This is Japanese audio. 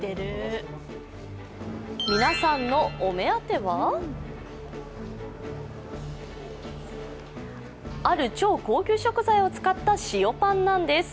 皆さんのお目当てはある超高級食材を使った塩パンなんです。